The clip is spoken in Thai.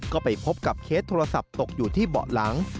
ก็ไปพบกับเคสโทรศัพท์ตกอยู่ที่เบาะหลัง